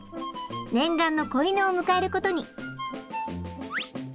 念願の子犬を迎えることに。